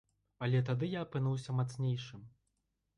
Але тады я апынуўся мацнейшым.